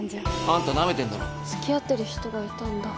「あんたなめてんだろ」「付き合ってる人がいたんだ」